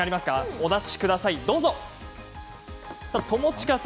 お出しください。